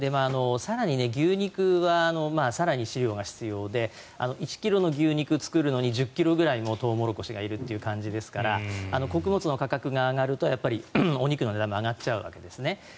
更に牛肉は、更に飼料が必要で１ｋｇの牛肉を作るのに１０ｋｇぐらいのトウモロコシがいるという感じですから穀物の価格が上がるとお肉の値段も上がっちゃうわけですね。